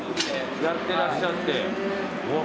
やってらっしゃって。